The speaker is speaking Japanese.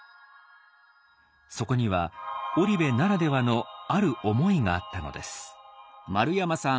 そこには織部ならではのある思いがあったのです。